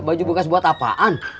baju bekas buat apaan